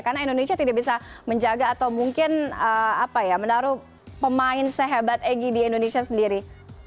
karena indonesia tidak bisa menjaga atau mungkin menaruh pemain sehebat egy di indonesia sendiri